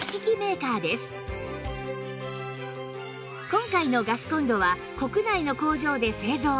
今回のガスコンロは国内の工場で製造